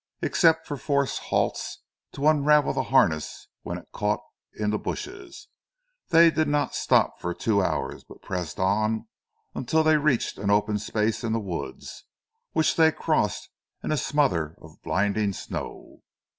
Except for forced halts to unravel the harness when it caught in the bushes, they did not stop for two hours, but pressed on until they reached an open space in the woods, which they crossed in a smother of blinding snow.